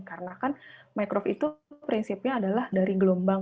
karena kan microwave itu prinsipnya adalah dari gelombang